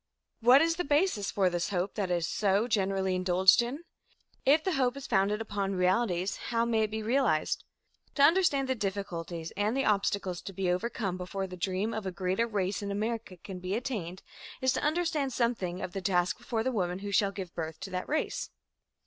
What is the basis for this hope that is so generally indulged in? If the hope is founded upon realities, how may it be realized? To understand the difficulties and the obstacles to be overcome before the dream of a greater race in America can be attained, is to understand something of the task before the women who shall give birth to that race.